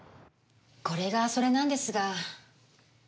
これがそれなんですが。